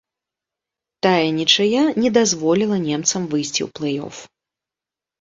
Тая нічыя не дазволіла немцам выйсці ў плэй-оф.